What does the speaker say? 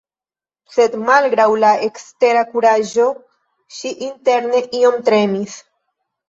Sed malgraŭ la ekstera kuraĝo, ŝi interne iom tremis.